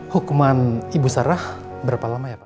hukuman ibu sarah berapa lama ya pak